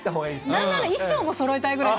なんなら衣装もそろえたいぐ